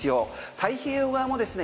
太平洋側もですね